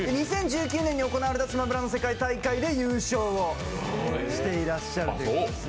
２０１９年に行われた「スマブラ」の世界大会で優勝をしていらっしゃる。